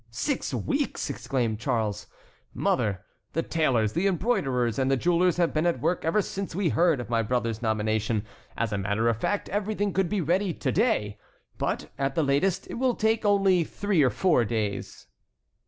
"Six weeks!" exclaimed Charles. "Mother, the tailors, the embroiderers, and the jewellers have been at work ever since we heard of my brother's nomination. As a matter of fact, everything could be ready to day, but, at the latest, it will take only three or four days."